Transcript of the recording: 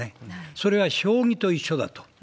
それは将棋と一緒だと。